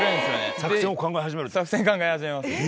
作戦考え始めます。